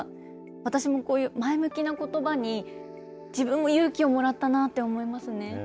私もこういう前向きなことばに、自分も勇気をもらったなって思いますね。